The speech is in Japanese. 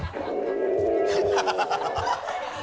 ハハハ